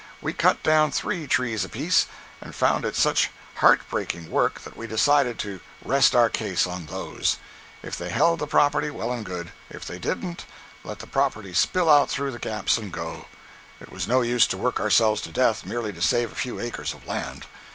We cut down three trees apiece, and found it such heart breaking work that we decided to "rest our case" on those; if they held the property, well and good; if they didn't, let the property spill out through the gaps and go; it was no use to work ourselves to death merely to save a few acres of land.